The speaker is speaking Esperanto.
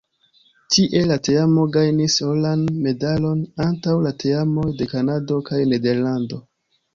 Tie la teamo gajnis oran medalon antaŭ la teamoj de Kanado kaj Nederlando.